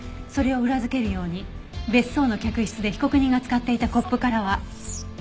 それを裏付けるように別荘の客室で被告人が使っていたコップからは。